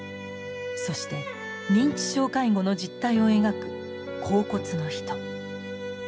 そして認知症介護の実態を描く「恍惚の人」。